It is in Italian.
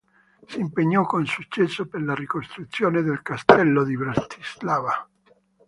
Si impegnò con successo per la ricostruzione del Castello di Bratislava.